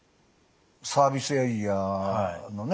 サービスエリアのね